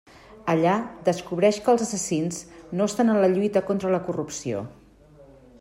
Allà, descobreix que els assassins no estan en la lluita contra la corrupció.